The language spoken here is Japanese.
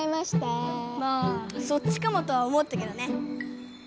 まあそっちかもとは思ったけどね。